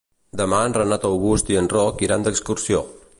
Demà en Renat August i en Roc iran d'excursió.